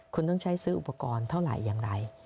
คุณต้องใช้ซื้ออุปกรณ์เท่าไหร่อย่างไร